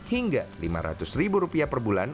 hingga rp lima ratus per bulan